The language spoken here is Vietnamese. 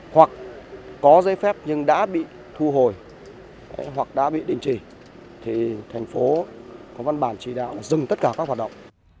hoặc có giấy phép nhưng đã bị thu hồi hoặc đã bị định trì thành phố có văn bản chỉ đạo dừng tất cả các hoạt động